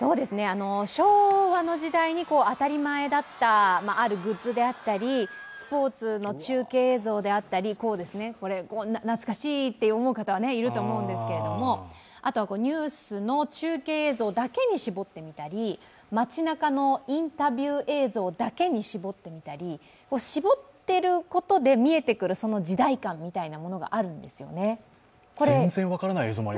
昭和の時代に当たり前だった、あるグッズであったり、スポーツの中継映像であったりいると思うんですけれどもニュースの中継映像だけに絞ってみたり、街なかのインタビュー映像だけに絞ってみたり、絞っていることで見えてくる時代感みたいなものがあるんですよね。